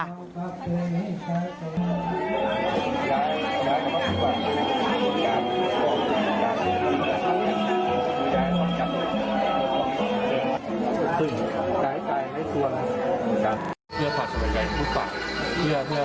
การว่าว่าอย่างที่เกิดขึ้นมันเป็นหวัดเหตุหรือเป็นเหตุอื่น